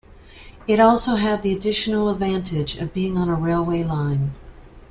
It also had the additional advantage of being on a railway line.